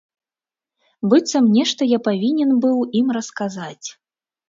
Быццам нешта я павінен быў ім расказаць.